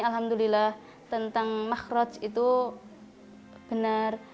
alhamdulillah tentang makhroj itu benar